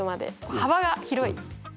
幅が広い。